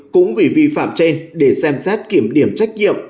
cũng vì vi phạm trên để xem xét kiểm điểm trách nhiệm